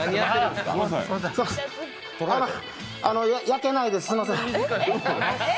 焼けないで、すんません。